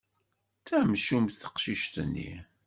D tamcumt teqcict-nni.